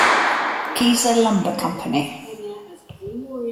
Kiser Lumber Company.